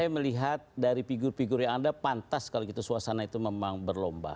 saya melihat dari figur figur yang ada pantas kalau gitu suasana itu memang berlomba